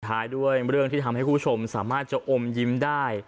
ท้ายด้วยเรื่องที่ทำให้คุณผู้ชมสามารถจะอมยิ้มได้